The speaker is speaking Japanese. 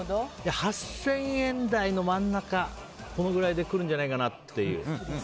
８０００円台の真ん中このくらいで来るんじゃないかなっていう。